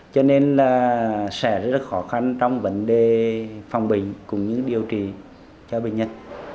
cho nên là sẽ rất là khó khăn trong vấn đề phòng bình cùng những điều trị cho bệnh nhân